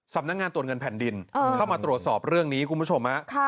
สำนักงานตรวจเงินแผ่นดินเข้ามาตรวจสอบเรื่องนี้คุณผู้ชมฮะ